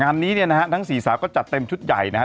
งานนี้เนี่ยนะฮะทั้งสี่สาวก็จัดเต็มชุดใหญ่นะฮะ